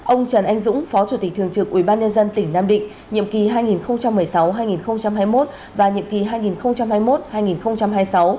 ông trần anh dũng phó chủ tịch thường trực ubnd tỉnh nam định nhiệm kỳ hai nghìn một mươi sáu hai nghìn hai mươi một và nhiệm kỳ hai nghìn hai mươi một hai nghìn hai mươi sáu